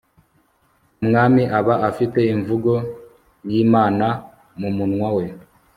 umwami aba afite imvugo y'imana mu munwa we